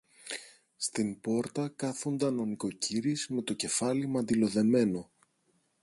Στην πόρτα κάθουνταν ο νοικοκύρης με το κεφάλι μαντιλοδεμένο